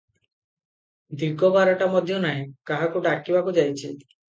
ଦିଗବାରଟା ମଧ୍ୟ ନାହିଁ, କାହାକୁ ଡାକିବାକୁ ଯାଇଛି ।